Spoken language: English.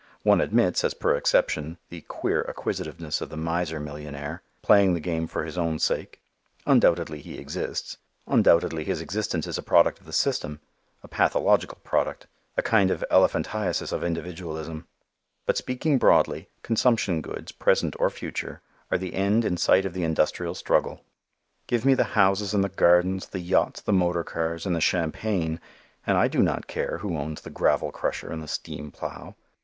One admits, as per exception, the queer acquisitiveness of the miser millionaire, playing the game for his own sake. Undoubtedly he exists. Undoubtedly his existence is a product of the system, a pathological product, a kind of elephantiasis of individualism. But speaking broadly, consumption goods, present or future, are the end in sight of the industrial struggle. Give me the houses and the gardens, the yachts, the motor cars and the champagne and I do not care who owns the gravel crusher and the steam plow.